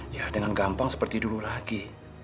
ya dengan gampang seperti dulu lagi